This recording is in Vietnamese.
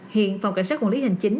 hiện phòng cảnh sát quản lý hành chính